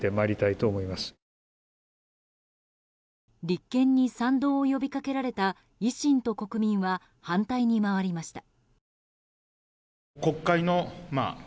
立憲に賛同を呼びかけられた維新と国民は反対に回りました。